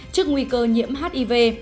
trước nguy cơ nhiễm hiv